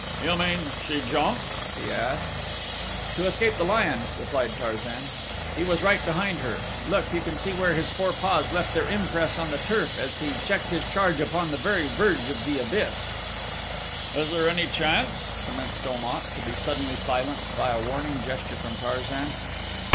"You mean she jumped?" he asked. "To escape the lion," replied Tarzan. "He was right behind her look, you can see where his four paws left their impress in the turf as he checked his charge upon the very verge of the abyss." "Is there any chance " commenced Om at, to be suddenly silenced by a warning gesture from Tarzan.